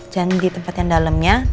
jangan di tempat yang dalemnya